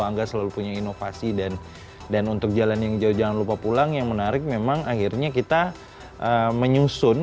angga selalu punya inovasi dan dan untuk jalan yang jauh jangan lupa pulang yang menarik memang akhirnya kita menyusun